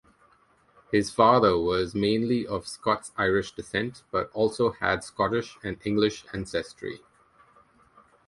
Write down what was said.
His father was mainly of Scots-Irish descent but also had Scottish and English ancestry.